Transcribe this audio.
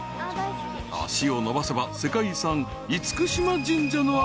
［足を延ばせば世界遺産嚴島神社のある］